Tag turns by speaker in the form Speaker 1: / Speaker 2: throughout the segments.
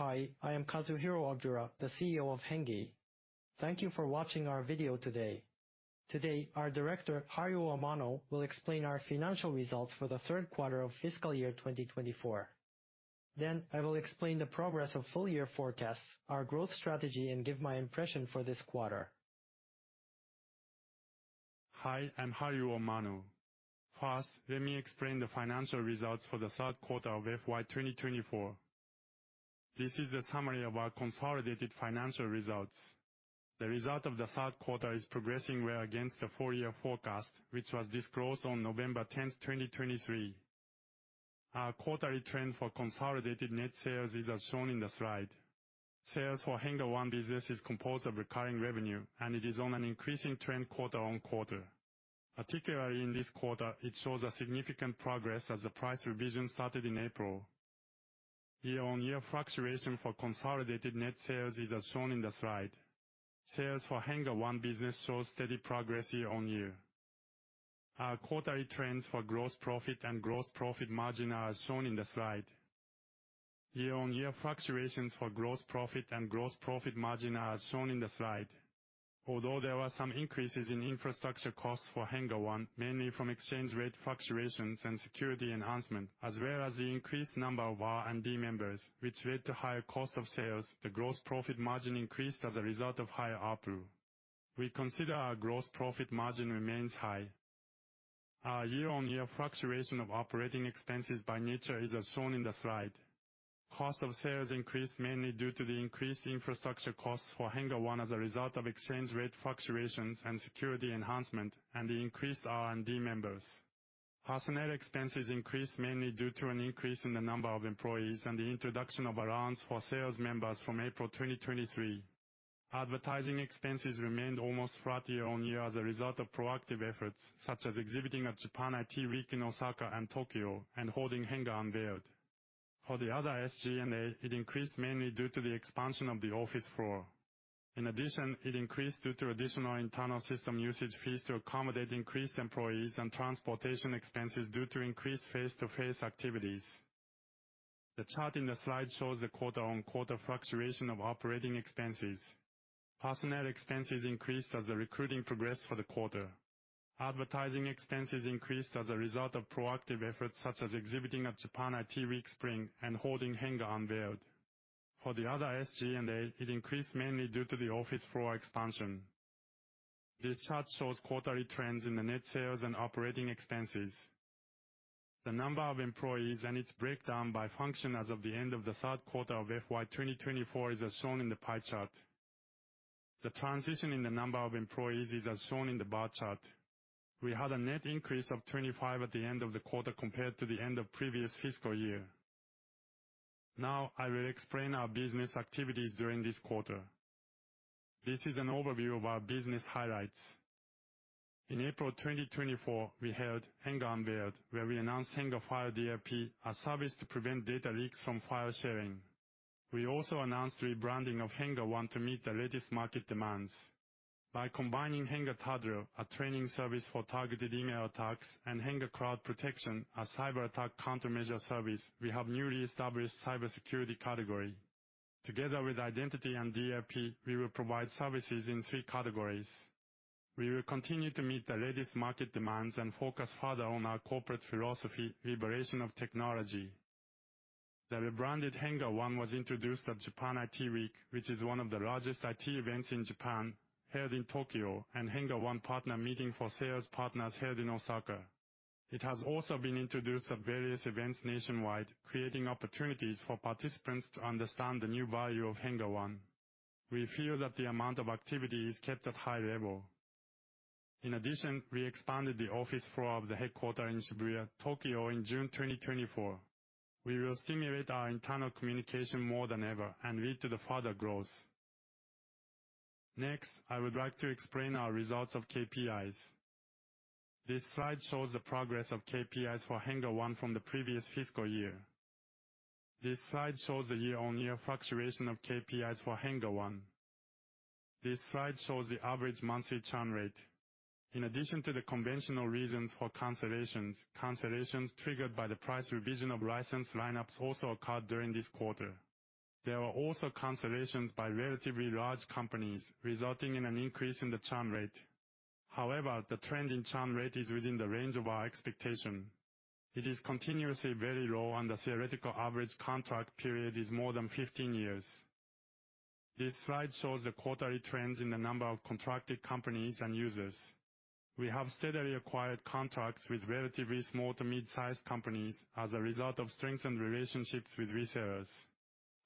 Speaker 1: Hi, I am Kazuhiro Ogura, the CEO of HENNGE. Thank you for watching our video today. Today, our director, Haruo Amano, will explain our financial results for the Q3 of fiscal year 2024. Then I will explain the progress of full-year forecasts, our growth strategy, and give my impression for this quarter.
Speaker 2: Hi, I'm Haruo Amano. First, let me explain the financial results for the Q3 of FY 2024. This is a summary of our consolidated financial results. The result of the Q3 is progressing well against the full-year forecast, which was disclosed on November 10, 2023. Our quarterly trend for consolidated net sales is as shown in the slide. Sales for HENNGE One business is composed of recurring revenue, and it is on an increasing trend quarter-on-quarter. Particularly in this quarter, it shows a significant progress as the price revision started in April. Year-on-year fluctuation for consolidated net sales is as shown in the slide. Sales for HENNGE One business show steady progress year-on-year. Our quarterly trends for gross profit and gross profit margin are as shown in the slide. Year-on-year fluctuations for gross profit and gross profit margin are as shown in the slide. Although there were some increases in infrastructure costs for HENNGE One, mainly from exchange rate fluctuations and security enhancement, as well as the increased number of R&D members, which led to higher cost of sales, the gross profit margin increased as a result of higher ARPU. We consider our gross profit margin remains high. Our year-on-year fluctuation of operating expenses by nature is as shown in the slide. Cost of sales increased mainly due to the increased infrastructure costs for HENNGE One as a result of exchange rate fluctuations and security enhancement, and the increased R&D members. Personnel expenses increased mainly due to an increase in the number of employees and the introduction of allowance for sales members from April 2023. Advertising expenses remained almost flat year-on-year as a result of proactive efforts, such as exhibiting at Japan IT Week in Osaka and Tokyo and holding HENNGE Unveiled. For the other SG&A, it increased mainly due to the expansion of the office floor. In addition, it increased due to additional internal system usage fees to accommodate increased employees and transportation expenses due to increased face-to-face activities. The chart in the slide shows the quarter-on-quarter fluctuation of operating expenses. Personnel expenses increased as the recruiting progressed for the quarter. Advertising expenses increased as a result of proactive efforts, such as exhibiting at Japan IT Week Spring and holding HENNGE Unveiled. For the other SG&A, it increased mainly due to the office floor expansion. This chart shows quarterly trends in the net sales and operating expenses. The number of employees and its breakdown by function as of the end of the Q3 of FY 2024 is as shown in the pie chart. The transition in the number of employees is as shown in the bar chart. We had a net increase of 25 at the end of the quarter compared to the end of previous fiscal year. Now, I will explain our business activities during this quarter. This is an overview of our business highlights. In April 2024, we held HENNGE Unveiled, where we announced HENNGE File DLP, a service to prevent data leaks from file sharing. We also announced rebranding of HENNGE One to meet the latest market demands. By combining HENNGE Tadrill, a training service for targeted email attacks, and HENNGE Cloud Protection, a cyberattack countermeasure service, we have newly established cybersecurity category. Together with Identity and DLP, we will provide services in three categories. We will continue to meet the latest market demands and focus further on our corporate philosophy, Liberation of Technology. The rebranded HENNGE One was introduced at Japan IT Week, which is one of the largest IT events in Japan, held in Tokyo, and HENNGE One Partner Meeting for sales partners held in Osaka. It has also been introduced at various events nationwide, creating opportunities for participants to understand the new value of HENNGE One. We feel that the amount of activity is kept at high level. In addition, we expanded the office floor of the headquarters in Shibuya, Tokyo, in June 2024. We will stimulate our internal communication more than ever and lead to the further growth. Next, I would like to explain our results of KPIs. This slide shows the progress of KPIs for HENNGE One from the previous fiscal year. This slide shows the year-on-year fluctuation of KPIs for HENNGE One. This slide shows the average monthly churn rate. In addition to the conventional reasons for cancellations, cancellations triggered by the price revision of license lineups also occurred during this quarter. There were also cancellations by relatively large companies, resulting in an increase in the churn rate. However, the trend in churn rate is within the range of our expectation. It is continuously very low, and the theoretical average contract period is more than 15 years. This slide shows the quarterly trends in the number of contracted companies and users. We have steadily acquired contracts with relatively small to mid-sized companies as a result of strengthened relationships with resellers.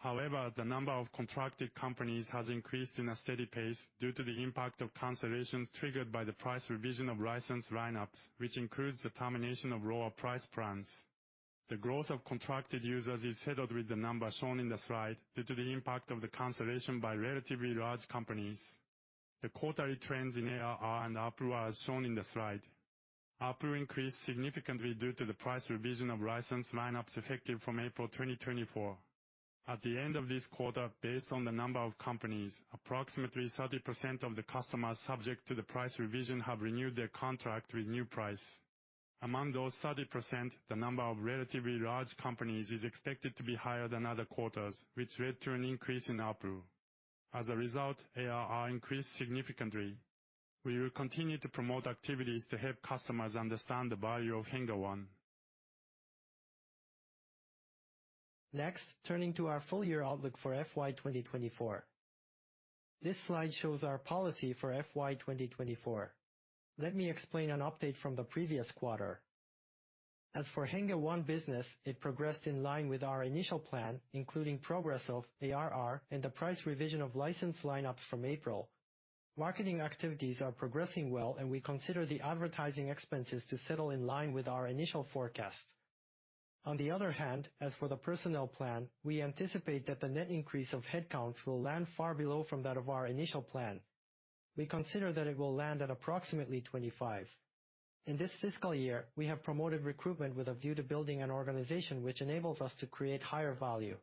Speaker 2: However, the number of contracted companies has increased in a steady pace due to the impact of cancellations triggered by the price revision of license lineups, which includes the termination of lower price plans. The growth of contracted users is headed with the number shown in the slide due to the impact of the cancellation by relatively large companies. The quarterly trends in ARR and ARPU are as shown in the slide. ARPU increased significantly due to the price revision of license lineups effective from April 2024. At the end of this quarter, based on the number of companies, approximately 30% of the customers subject to the price revision have renewed their contract with new price.... Among those 30%, the number of relatively large companies is expected to be higher than other quarters, which led to an increase in output. As a result, ARR increased significantly. We will continue to promote activities to help customers understand the value of HENNGE One.
Speaker 1: Next, turning to our full-year outlook for FY 2024. This slide shows our policy for FY 2024. Let me explain an update from the previous quarter. As for HENNGE One business, it progressed in line with our initial plan, including progress of ARR and the price revision of license lineups from April. Marketing activities are progressing well, and we consider the advertising expenses to settle in line with our initial forecast. On the other hand, as for the personnel plan, we anticipate that the net increase of headcounts will land far below from that of our initial plan. We consider that it will land at approximately 25. In this fiscal year, we have promoted recruitment with a view to building an organization which enables us to create higher value.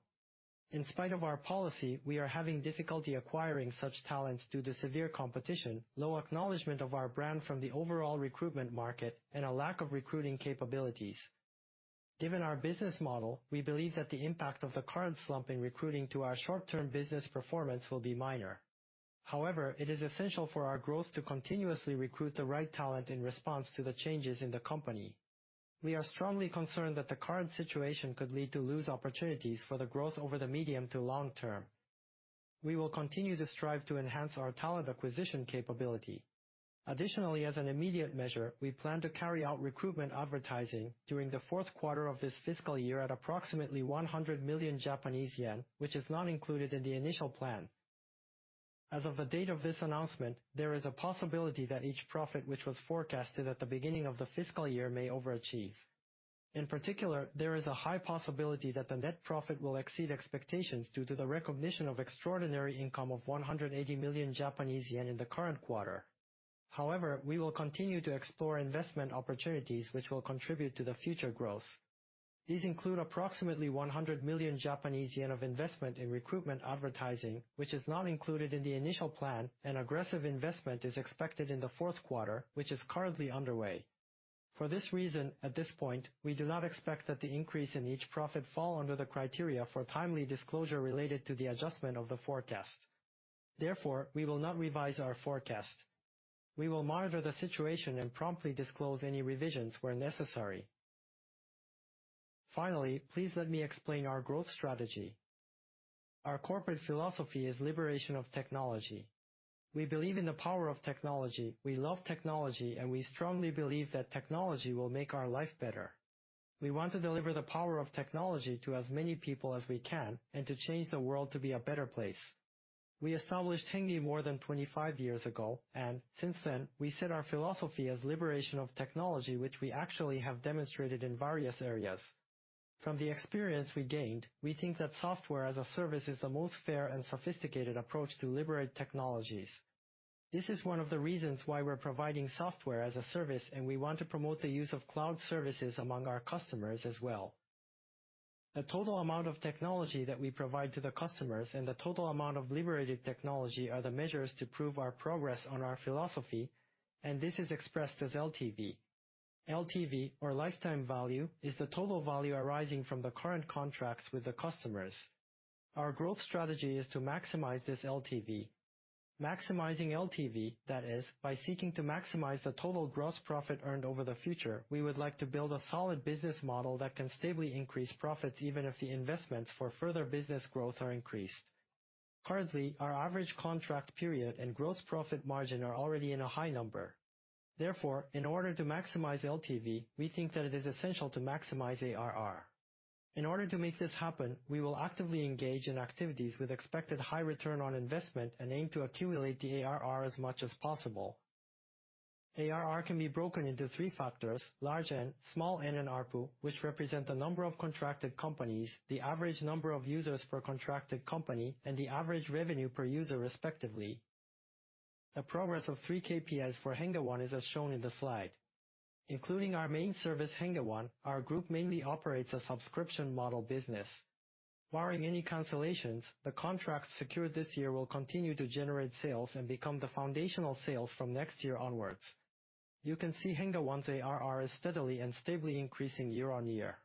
Speaker 1: In spite of our policy, we are having difficulty acquiring such talents due to severe competition, low acknowledgment of our brand from the overall recruitment market, and a lack of recruiting capabilities. Given our business model, we believe that the impact of the current slump in recruiting to our short-term business performance will be minor. However, it is essential for our growth to continuously recruit the right talent in response to the changes in the company. We are strongly concerned that the current situation could lead to lost opportunities for the growth over the medium to long term. We will continue to strive to enhance our talent acquisition capability. Additionally, as an immediate measure, we plan to carry out recruitment advertising during the fourth quarter of this fiscal year at approximately 100 million Japanese yen, which is not included in the initial plan. As of the date of this announcement, there is a possibility that each profit, which was forecasted at the beginning of the fiscal year, may overachieve. In particular, there is a high possibility that the net profit will exceed expectations due to the recognition of extraordinary income of 180 million Japanese yen in the current quarter. However, we will continue to explore investment opportunities which will contribute to the future growth. These include approximately 100 million Japanese yen of investment in recruitment advertising, which is not included in the initial plan, and aggressive investment is expected in the fourth quarter, which is currently underway. For this reason, at this point, we do not expect that the increase in each profit fall under the criteria for timely disclosure related to the adjustment of the forecast. Therefore, we will not revise our forecast. We will monitor the situation and promptly disclose any revisions where necessary. Finally, please let me explain our growth strategy. Our corporate philosophy is liberation of technology. We believe in the power of technology. We love technology, and we strongly believe that technology will make our life better. We want to deliver the power of technology to as many people as we can, and to change the world to be a better place. We established HENNGE more than 25 years ago, and since then, we set our philosophy as liberation of technology, which we actually have demonstrated in various areas. From the experience we gained, we think that Software as a Service is the most fair and sophisticated approach to liberate technologies. This is one of the reasons why we're providing Software as a Service, and we want to promote the use of cloud services among our customers as well. The total amount of technology that we provide to the customers and the total amount of liberated technology are the measures to prove our progress on our philosophy, and this is expressed as LTV. LTV, or lifetime value, is the total value arising from the current contracts with the customers. Our growth strategy is to maximize this LTV. Maximizing LTV, that is, by seeking to maximize the total gross profit earned over the future, we would like to build a solid business model that can stably increase profits, even if the investments for further business growth are increased. Currently, our average contract period and gross profit margin are already in a high number. Therefore, in order to maximize LTV, we think that it is essential to maximize ARR. In order to make this happen, we will actively engage in activities with expected high return on investment and aim to accumulate the ARR as much as possible. ARR can be broken into three factors: large N, small N, and ARPU, which represent the number of contracted companies, the average number of users per contracted company, and the average revenue per user, respectively. The progress of three KPIs for HENNGE One is as shown in the slide. Including our main service, HENNGE One, our group mainly operates a subscription model business. Barring any cancellations, the contracts secured this year will continue to generate sales and become the foundational sales from next year onwards. You can see HENNGE One's ARR is steadily and stably increasing year-over-year.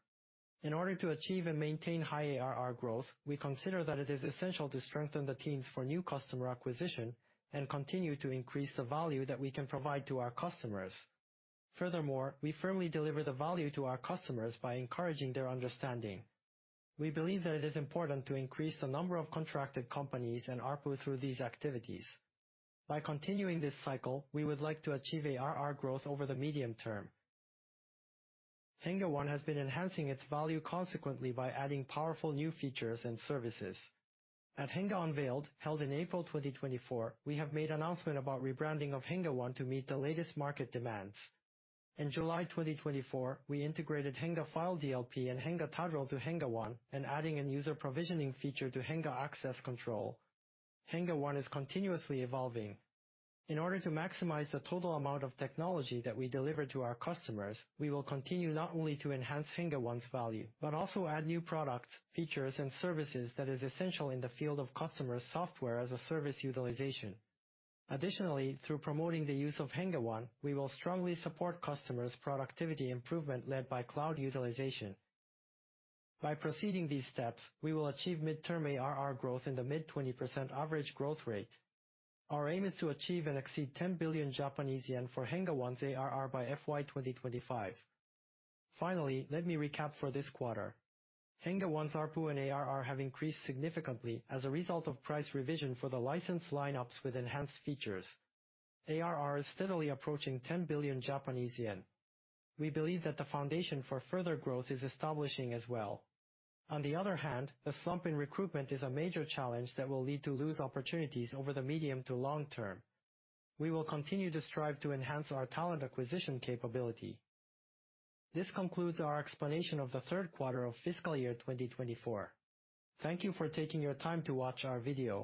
Speaker 1: In order to achieve and maintain high ARR growth, we consider that it is essential to strengthen the teams for new customer acquisition and continue to increase the value that we can provide to our customers. Furthermore, we firmly deliver the value to our customers by encouraging their understanding. We believe that it is important to increase the number of contracted companies and ARPU through these activities. By continuing this cycle, we would like to achieve ARR growth over the medium term. HENNGE One has been enhancing its value consequently by adding powerful new features and services. At HENNGE Unveiled, held in April 2024, we have made an announcement about rebranding of HENNGE One to meet the latest market demands. In July 2024, we integrated HENNGE File DLP and HENNGE Tadrill to HENNGE One and adding a user provisioning feature to HENNGE Access Control. HENNGE One is continuously evolving. In order to maximize the total amount of technology that we deliver to our customers, we will continue not only to enhance HENNGE One's value, but also add new products, features, and services that is essential in the field of customers Software as a Service utilization. Additionally, through promoting the use of HENNGE One, we will strongly support customers' productivity improvement led by cloud utilization. By proceeding these steps, we will achieve mid-term ARR growth in the mid-20% average growth rate. Our aim is to achieve and exceed 10 billion Japanese yen for HENNGE One's ARR by FY 2025. Finally, let me recap for this quarter. HENNGE One's ARPU and ARR have increased significantly as a result of price revision for the license lineups with enhanced features. ARR is steadily approaching 10 billion Japanese yen. We believe that the foundation for further growth is establishing as well. On the other hand, the slump in recruitment is a major challenge that will lead to lost opportunities over the medium to long term. We will continue to strive to enhance our talent acquisition capability. This concludes our explanation of the Q3 of fiscal year 2024. Thank you for taking your time to watch our video.